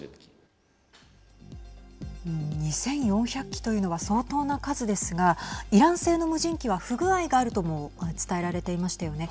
２４００機というのは相当な数ですがイラン製の無人機は不具合があるとも伝えられていましたよね。